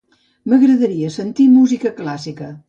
M'agradaria sentir música clàssica.